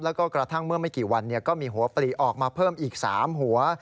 แล้วก็กระทั่งเมื่อไม่กี่วันก็มีหัวปลีออกมาเพิ่มอีก๓หัว